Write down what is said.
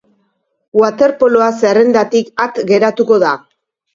Waterpoloa zerrendatik at geratuko da.